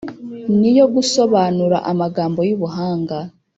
,Ni iyo gusobanura amagambo y’ubuhanga